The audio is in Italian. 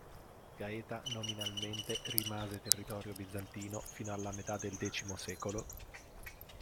Gaeta nominalmente rimase territorio bizantino fino alla metà del X secolo.